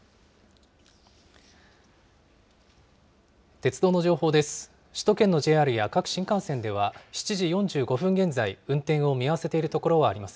鉄道の情報です。